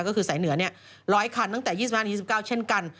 ก็คือสายเหนือ๑๐๐คันตั้งแต่๒๕๒๙เช่นกัน